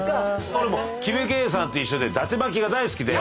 俺もキムケイさんと一緒でだて巻きが大好きで。